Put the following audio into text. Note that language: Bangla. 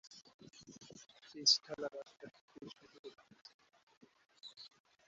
সাধারণত রোমানরা গ্রীক বর্ণমালার মতো করে এ নামগুলো ব্যবহার করতো না।